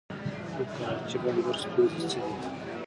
د کراچۍ بندر ستونزې څه دي؟